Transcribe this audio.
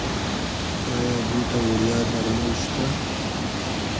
ایا دلته وړیا درمل شته؟